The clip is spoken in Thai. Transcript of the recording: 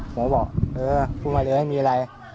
ผมก็บอกเออพูดมาเลยมีอะไร